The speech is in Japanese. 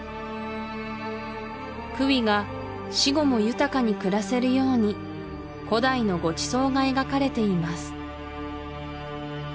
クウィが死後も豊かに暮らせるように古代のごちそうが描かれています